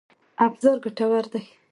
افراز ګټور دی.